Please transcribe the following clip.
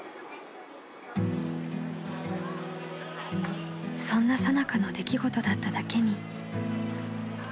［そんなさなかの出来事だっただけに］